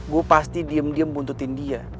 gue pasti diem diem buntutin dia